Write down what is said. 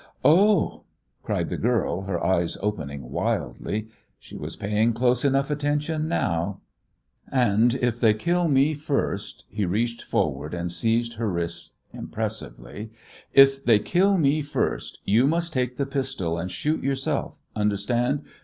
"Oh!" cried the girl, her eyes opening wildly. She was paying close enough attention now. "And if they kill me first" he reached forward and seized her wrist impressively "if they kill me first, you must take that pistol and shoot yourself. Understand?